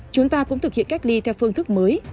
chúng ta cũng thực hiện cách ly theo phương thức mới